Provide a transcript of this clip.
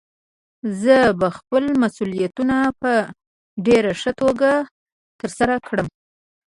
زه به خپل مسؤليتونه په ډېره ښه توګه ترسره کړم.